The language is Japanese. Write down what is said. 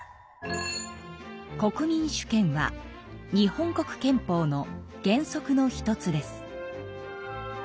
国民主権は日本国憲法の原則の１つです。